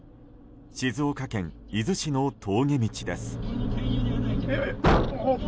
静岡県伊豆市の峠道です。